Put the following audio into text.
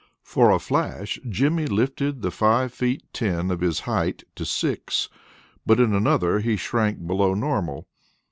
For a flash Jimmy lifted the five feet ten of his height to six; but in another he shrank below normal.